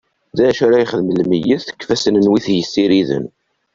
D acu ara yexdem lmeyyet deg ifassen n wi t-yessiriden!